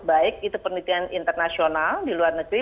baik itu penelitian internasional di luar negeri